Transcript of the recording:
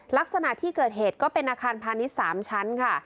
ลักษณะที่เกิดเหตุก็เป็นอาคารพาณิชย์๓ชั้นค่ะ